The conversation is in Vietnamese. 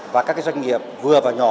và các doanh nghiệp vừa và nhỏ